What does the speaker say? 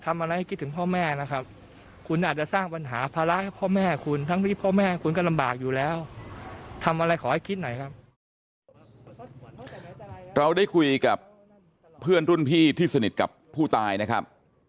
เราได้คุยกับเพื่อนรุ่นพี่ที่สนิทกับผู้ตายนะครับ